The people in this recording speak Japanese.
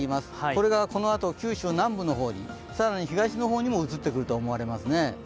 これがこのあと、九州南部の方に、更に東の方にも移ってくると思われます。